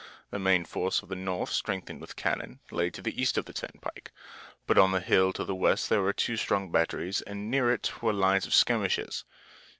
The main force of the North, strengthened with cannon, lay to the east of the turnpike. But on the hill to the west were two strong batteries and near it were lines of skirmishers.